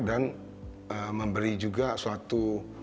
dan memberi juga suatu